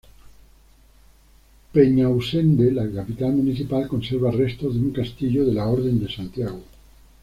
Peñausende, la capital municipal, conserva restos de un castillo de la orden de Santiago.